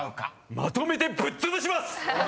まとめてぶっつぶします！